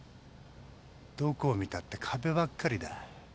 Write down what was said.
どこを見たって壁ばっかりだ。